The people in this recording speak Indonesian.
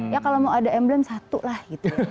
ya kalau mau ada emblem satu lah gitu